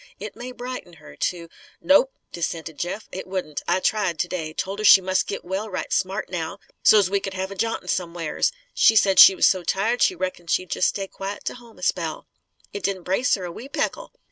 It may brighten her to " "Nope," dissented Jeff. "It wouldn't. I tried, to day. Told her she must git well, right smart, now; so's we c'd have a ja'ntin', somewheres. She said she was so tired, she reckoned she'd jest stay quiet to home a spell. It didn't brace her, a wee peckle.